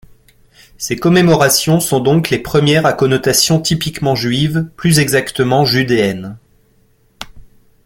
Ces commémorations sont donc les premières à connotation typiquement juive, plus exactement judéenne.